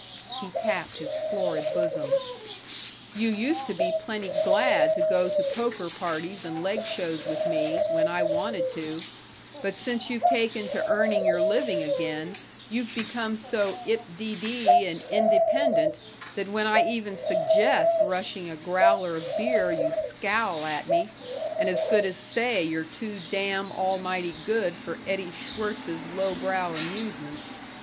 He tapped his florid bosom. "You used to be plenty glad to go to poker parties and leg shows with me, when I wanted to, but since you've taken to earning your living again you've become so ip de dee and independent that when I even suggest rushing a growler of beer you scowl at me, and as good as say you're too damn almighty good for Eddie Schwirtz's low brow amusements.